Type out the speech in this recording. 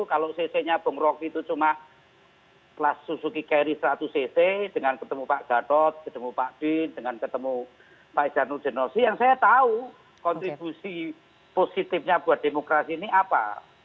kalau cc nya bung roky itu cuma kelas suzuki carry seratus cc dengan ketemu pak gatot ketemu pak bin dengan ketemu pak isanul jenosi yang saya tahu kontribusi positifnya buat demokrasi ini apa